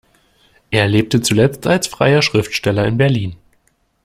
Er lebte zuletzt als freier Schriftsteller in Berlin.